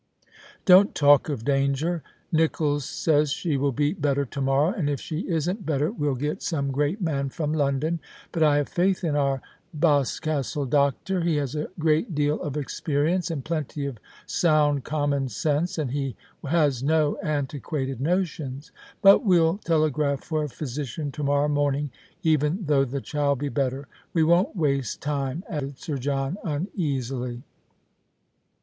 " Don't talk of danger. Nicholls says she will be better to morrow, and if she isn't better we'll get some great man from London. But I have faith in our Bos castle doctor. He has a great deal of experience and plenty of sound common sense, and he has no antiquated notions. But we'll telegraph for a physician to morrow morning, even though the child be better. We won't waste time," added Sir John, uneasily.